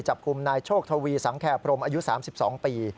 จับกลุ่มนายโชคทวีสังแคพรมอายุ๓๒ปี